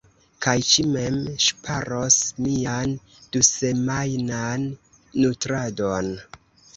Kaj ci mem ŝparos mian dusemajnan nutradon.